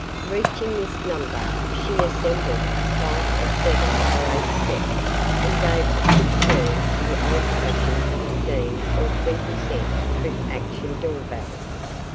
Reaching this number, she ascended a flight of seven or eight steps and gave a quick turn to the old fashioned fifteen or twenty cent trip action door bell.